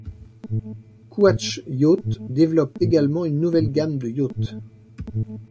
Couach Yachts développe également une nouvelle gamme de yachts.